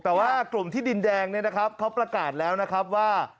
แต่ว่ากลุ่มที่ดินแดงเนี่ยนะครับเขาประกาศแล้วนะครับว่า